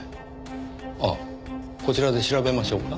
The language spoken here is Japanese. あっこちらで調べましょうか？